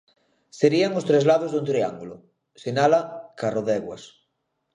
Serían os tres lados dun triángulo, sinala Carrodeguas.